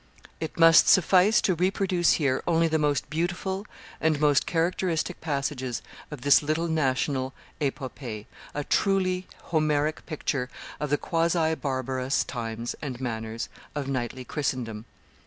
It must suffice to reproduce here only the most beautiful and most characteristic passages of this little national epopee, a truly Homeric picture of the quasi barbarous times and manners of knightly Christendom.